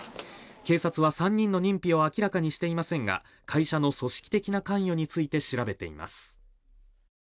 警察は３人の認否を明らかにしていませんが会社の組織的な関与について調べています。